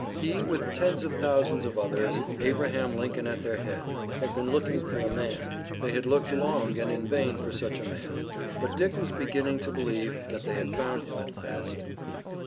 He, with tens of thousands of others, Abraham Lincoln at their head, had been looking for a man, they had looked long and in vain for such a man, but Dick was beginning to believe that they had found him at last.